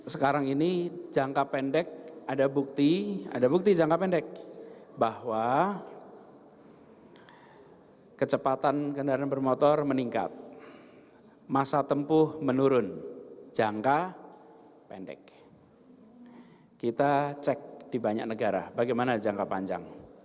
jangan lupa pendek kita cek di banyak negara bagaimana jangka panjang